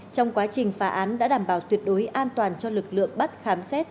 trong quá trình phá án đã đảm bảo tuyệt đối an toàn cho lực lượng bắt khám xét